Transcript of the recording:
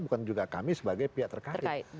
bukan juga kami sebagai pihak terkait